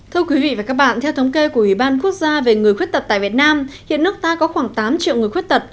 tại việt nam hiện nước ta có khoảng tám triệu người khuất tật